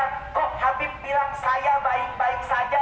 kok habib bilang saya baik baik saja